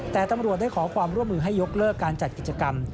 แต่ตำรวจได้ขอความร่วมมือให้ยกเลิกการจัดกิจกรรม